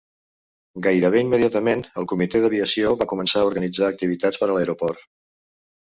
Gairebé immediatament, el comitè d'aviació va començar a organitzar activitats per a l'aeroport.